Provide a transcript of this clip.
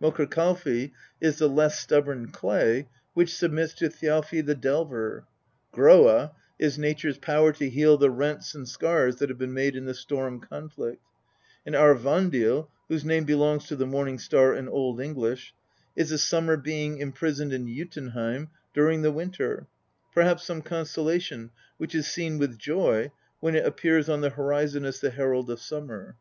Mokkr kalfi is the less stubborn clay, which submits to Thjalfi the Delver ; Groa is nature's power to heal the rents and sears that have been made in the storm conflict ; and Aurvandil, whose name belongs to the morning star in Old English, is a summer being imprisoned in Jotunheim during the winter, perhaps some constellation which is seen with joy when it appears on the horizon as the herald of summer.